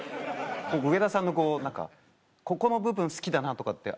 上田さんのこう何かここの部分好きだなとかってあります？